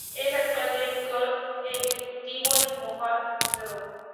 El actual Director ejecutivo es Mohammad Abu-Ghazaleh.